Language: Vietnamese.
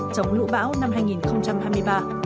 chống lụt bão năm hai nghìn hai mươi ba